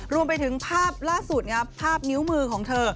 รวมไปถึงภาพล่าสุดภาพนิ้วมือของเธอ